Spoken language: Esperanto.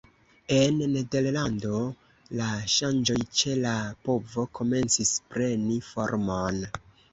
En Nederlando, la ŝanĝoj ĉe la povo komencis preni formon.